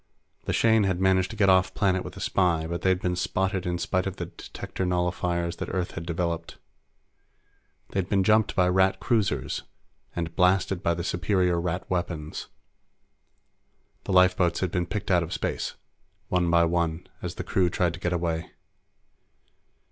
The Shane had managed to get off planet with the spy, but they'd been spotted in spite of the detector nullifiers that Earth had developed. They'd been jumped by Rat cruisers and blasted by the superior Rat weapons. The lifeboats had been picked out of space, one by one, as the crew tried to get away.